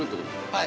◆はい。